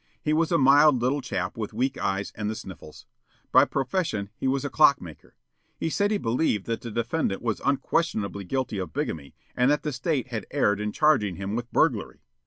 He was a mild little chap with weak eyes and the sniffles. By profession he was a clock maker. He said he believed that the defendant was unquestionably guilty of bigamy and that the State had erred in charging him with burglary.